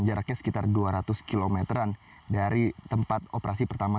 jaraknya sekitar dua ratus km an dari tempat operasi pertama